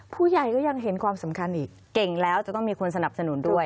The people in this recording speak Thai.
ผู้ใหญ่ก็ยังเห็นความสำคัญอีกเก่งแล้วจะต้องมีคนสนับสนุนด้วย